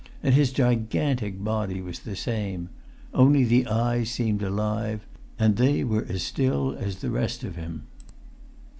And his gigantic body was the same; only the eyes seemed alive; and they were as still as the rest of him.